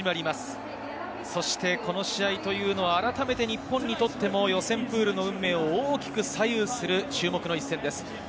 この試合というのはあらためて日本にとっても予選プールの運命を大きく左右する注目の一戦です。